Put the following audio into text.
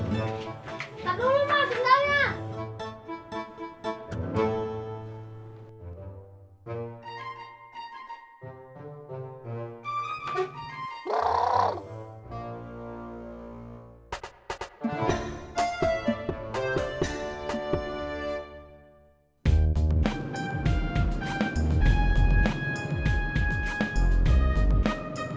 tepat dulu mas bentarnya